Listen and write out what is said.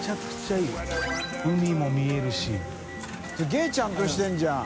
垢欧ちゃんとしてるじゃん。